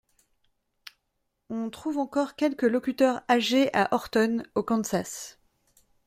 On trouve encore quelques locuteurs âgés à Horton, au Kansas.